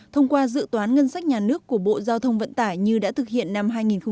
thông qua dự toán ngân sách nhà nước của bộ giao thông vận tải như đã thực hiện năm hai nghìn một mươi chín